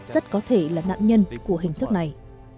rất có thể là nạn nhân của hình thức này